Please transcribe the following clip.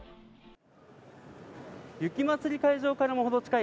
雪まつり会場から程近い